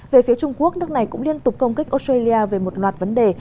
về phía trung quốc nước này cũng liên tục công kích australia về một loạt vấn đề